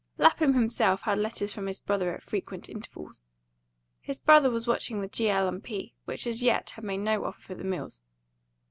Lapham himself had letters from his brother at frequent intervals. His brother was watching the G. L. & P., which as yet had made no offer for the mills.